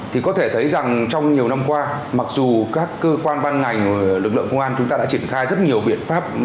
thì có thể thấy rằng trong nhiều năm qua mặc dù các cơ quan ban ngành lực lượng công an chúng ta đã triển khai rất nhiều biện pháp